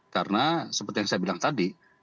karena seperti yang saya bilang tadi